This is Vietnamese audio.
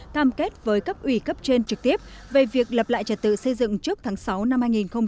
tham kết với cấp ủy cấp trên trực tiếp về việc lập lại trật tự xây dựng trước tháng sáu năm hai nghìn hai mươi